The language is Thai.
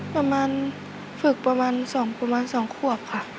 ประมาณฝึกประมาณ๒ขวบค่ะ